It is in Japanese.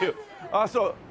ああそう。